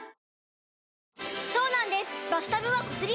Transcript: そうなんです